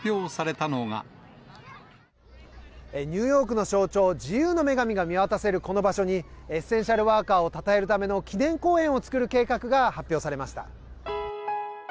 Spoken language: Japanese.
ニューヨークの象徴、自由の女神が見渡せるこの場所に、エッセンシャルワーカーをたたえるための記念公園を作る計画が発表されました。